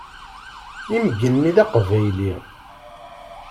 Imeggi-nni d Aqbayli.